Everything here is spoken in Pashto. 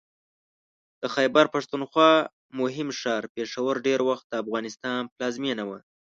د خیبر پښتونخوا مهم ښار پېښور ډېر وخت د افغانستان پلازمېنه وه